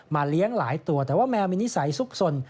เลี้ยงหลายตัวแต่ว่าแมวมีนิสัยซุกสน